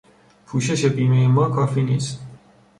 پوشش بیمهی ما کافی نیست.